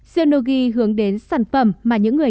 xionogi hướng đến sản phẩm mà những người